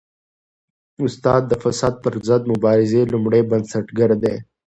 استاد د فساد پر ضد د مبارزې لومړی بنسټګر دی.